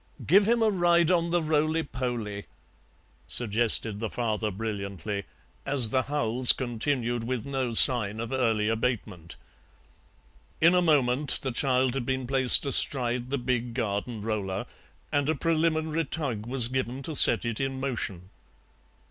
"Give him a ride on the roly poly," suggested the father brilliantly, as the howls continued with no sign of early abatement. In a moment the child had been placed astride the big garden roller and a preliminary tug was given to set it in motion.